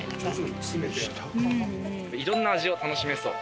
いろんな味を楽しめそう。